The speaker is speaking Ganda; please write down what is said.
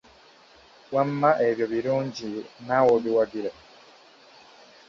Wamma ebyo birungi, naawe obiwagira?